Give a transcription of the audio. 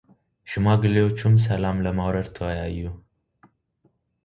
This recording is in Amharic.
ሽማግሌዎቹም ሠላም ለማውረድ ተወያዩ።